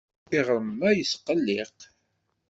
Iɣrem-a yesqelliq.